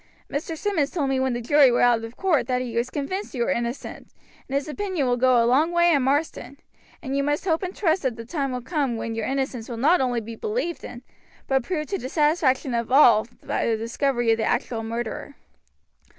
Mr. Simmonds told me when the jury were out of the court that he was convinced you were innocent, and his opinion will go a long way in Marsden, and you must hope and trust that the time will come when your innocence will be not only believed in, but proved to the satisfaction of all by the discovery of the actual murderer."